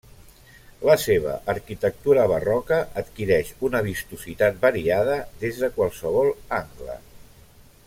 La seva arquitectura barroca adquireix una vistositat variada des de qualsevol angle.